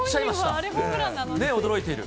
驚いている。